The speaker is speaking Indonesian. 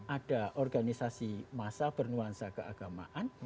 ada organisasi massa bernuansa keagamaan